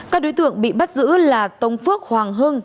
các đối tượng bị bắt giữ là tông phước hoàng hưng